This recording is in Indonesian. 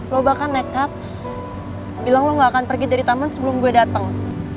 lo bahkan nekat bilang lo gak akan pergi dari taman sebelum gue datang